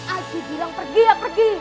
aji bilang pergi ya pergi